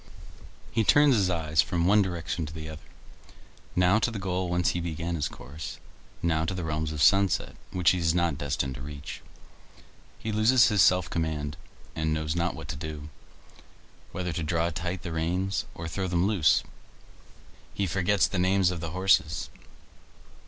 He turns his eyes from one direction to the other; now to the goal whence he began his course, now to the realms of sunset which he is not destined to reach. He loses his self command, and knows not what to do, whether to draw tight the reins or throw them loose; he forgets the names of the horses.